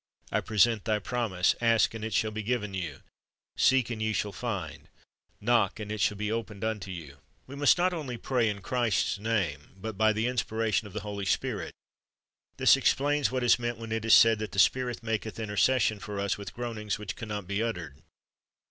I present Thy promise, "Ask, and it shall be given you ; seek, and ye shall find ; knock, and it shall be opened unto you." We must not only pray in Christ's name, but by the inspiration of the Holy Spirit. This explains what is meant when it is said that the Spirit "maketh intercession for us, with groanings which can not be uttered."